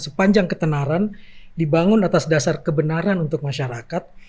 sepanjang ketenaran dibangun atas dasar kebenaran untuk masyarakat